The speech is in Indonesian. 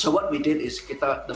jadi apa yang kita lakukan adalah